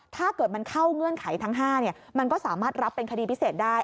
ถ้าเกิดมันเข้าเงื่อนไขทั้ง๕มันก็สามารถรับเป็นคดีพิเศษได้